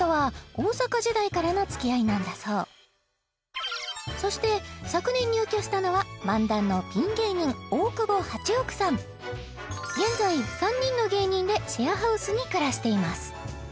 ＺＡＺＹさんとはそして昨年入居したのは現在３人の芸人でシェアハウスに暮らしています